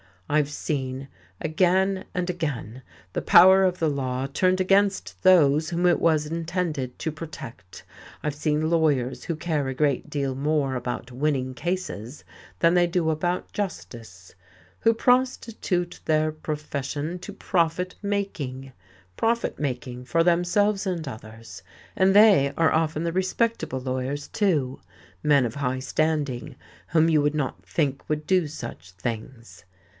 I've seen, again and again, the power of the law turned against those whom it was intended to protect, I've seen lawyers who care a great deal more about winning cases than they do about justice, who prostitute their profession to profit making, profit making for themselves and others. And they are often the respectable lawyers, too, men of high standing, whom you would not think would do such things.